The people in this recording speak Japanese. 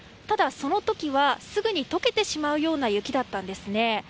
ただ、その時はすぐに溶けてしまうような雪だったんですね。